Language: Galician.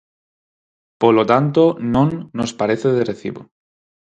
Polo tanto, non nos parece de recibo.